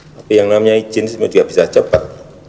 tapi yang namanya izin semua juga bisa cepat